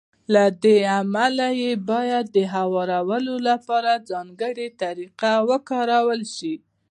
له همدې امله يې بايد د هوارولو لپاره ځانګړې طريقه وکارول شي.